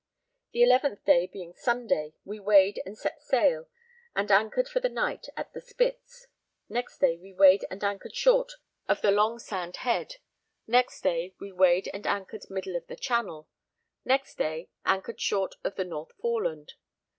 The 11th day, being Sunday, we weighed and set sail, and anchored for that night at The Spits; next day we weighed and anchored short of the Long Sand head; next day we weighed and anchored middle of the Channel; next day anchored short of the North Foreland.